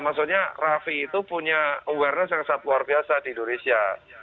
maksudnya raffi itu punya awareness yang sangat luar biasa di indonesia